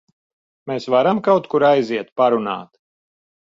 Mēs varam kaut kur aiziet parunāt?